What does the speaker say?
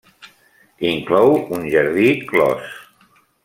Inclou un jardí clos.